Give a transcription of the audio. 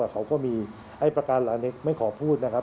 ใส่ประการไม่ขอพูดนะครับ